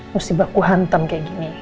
musti baku hantam kayak gini